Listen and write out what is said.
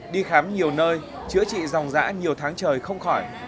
đi khám nhiều nơi chữa trị dòng giã nhiều tháng trời không khỏi